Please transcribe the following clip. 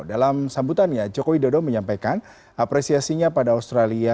dalam sambutannya joko widodo menyampaikan apresiasinya pada australia